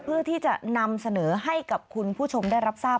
เพื่อที่จะนำเสนอให้กับคุณผู้ชมได้รับทราบ